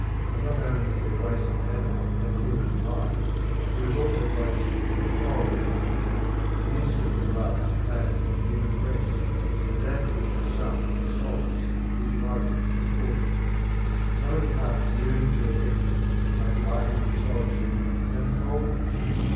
And not only is there waste in animal and human life, there is also waste in moral life. The instinct of love is planted in the human breast, and that which to some is a solace is to others a torture. How many hearts yearning for affection are blighted in solitude and coldness!